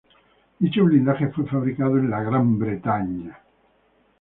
Dicho blindaje fue fabricado en Gran Bretaña.